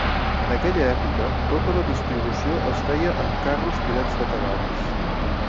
En aquella època, tota la distribució es feia amb carros tirats de cavalls.